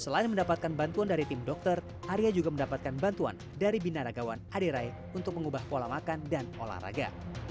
selain mendapatkan bantuan dari tim dokter arya juga mendapatkan bantuan dari binaragawan aderai untuk mengubah pola makan dan olahraga